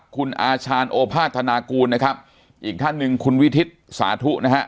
คุณอาชาญโอภาธนากูลนะครับอีกท่านหนึ่งคุณวิทิศสาธุนะฮะ